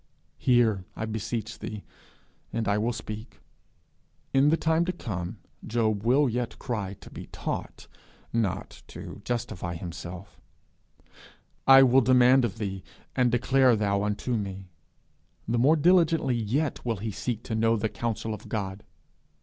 'Hear, I beseech thee, and I will speak:' In the time to come, he will yet cry to be taught, not to justify himself. 'I will demand of thee, and declare thou unto me.' The more diligently yet will he seek to know the counsel of God.